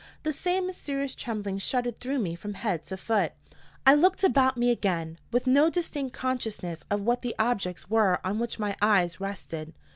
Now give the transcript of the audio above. The same mysterious trembling shuddered through me from head to foot. I looked about me again, with no distinct consciousness of what the objects were on which my eyes rested.